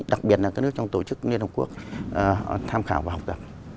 đặc biệt là các nước trong tổ chức liên hợp quốc tham khảo và học tập